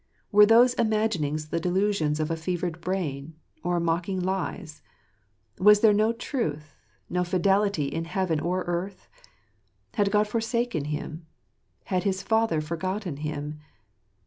Were those imaginings the delusions of a fevered brain, or mock ing lies ? Was there no truth, no fidelity, in heaven or earth? Had God forsaken him ? Had his father forgotten him